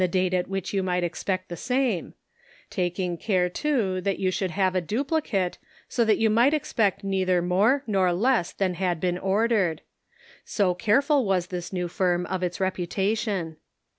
date at which yon might expect the same ; taking care, too, that you should have a dupli cate, so that yon might expect neither more nor less than had been ordered ; so careful was this new firm of its reputation.